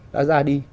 ta ra đi